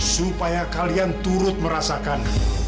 supaya kalian turut merasakan